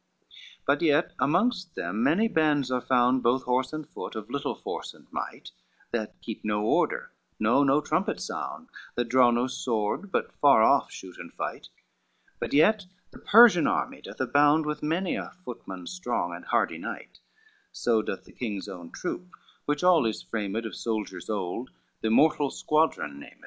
CXXII "But yet amongst them many bands are found Both horse and foot, of little force and might, That keep no order, know no trumpet's sound, That draw no sword, but far off shoot and fight, But yet the Persian army doth abound With many a footman strong and hardy knight, So doth the King's own troop which all is framed Of soldiers old, the Immortal Squadron named.